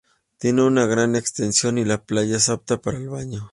Tiene una gran extensión y la playa es apta para el baño.